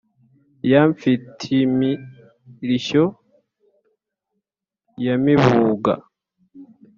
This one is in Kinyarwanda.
ya mfit-imirishyo ya mibuga